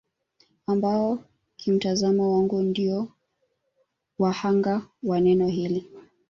Ambao kimtazamo wangu ndio wa hanga wa neno hili